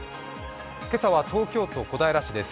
今朝は東京都小平市です。